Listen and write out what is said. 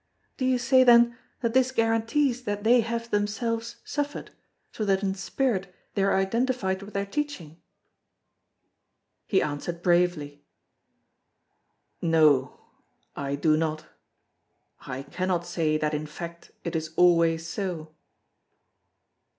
"Do you say, then, that this guarantees that they have themselves suffered, so that in spirit they are identified with their teaching?" He answered bravely: "No—I do not—I cannot say that in fact it is always so."